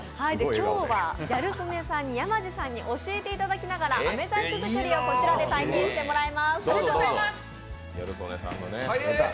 今日はギャル曽根さんに山地さんに教えていただきながら飴細工作りをこちらで体験していただきます。